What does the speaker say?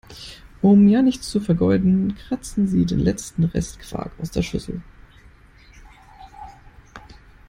Um ja nichts zu vergeuden, kratzen sie den letzten Rest Quark aus der Schüssel.